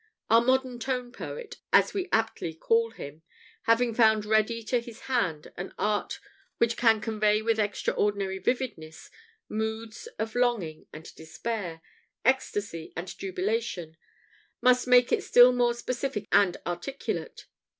Our modern tone poet as we aptly call him having found ready to his hand an art which can convey with extraordinary vividness moods of longing and despair, ecstasy and jubilation, must make it still more specific and articulate.